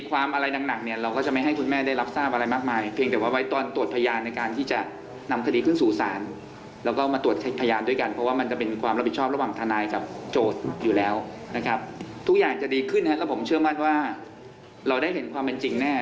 ว่าเราได้เห็นความเป็นจริงแน่